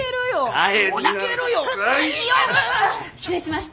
失礼しました。